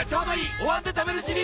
「お椀で食べるシリーズ」